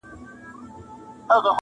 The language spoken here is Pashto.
نه له خدای او نه رسوله یې بېرېږې,